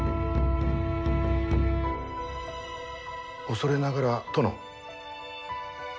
恐れながら殿。